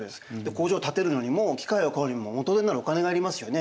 工場を建てるのにも機械を買うにも元手になるお金がいりますよね。